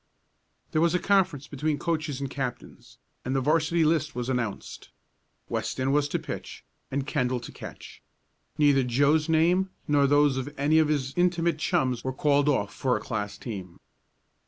There was a conference between coaches and captains, and the 'varsity list was announced Weston was to pitch, and Kendall to catch. Neither Joe's name, nor those of any of his intimate chums were called off for a class team.